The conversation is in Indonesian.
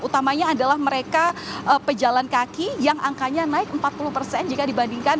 utamanya adalah mereka pejalan kaki yang angkanya naik empat puluh persen jika dibandingkan